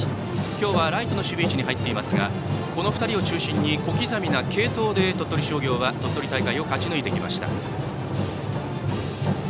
今日はライトの守備位置に入っていますがこの２人を中心に小刻みな継投で鳥取商業は鳥取大会を勝ち抜いてきました。